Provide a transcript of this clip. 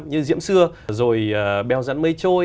như diễm xưa rồi bèo dẫn mây trôi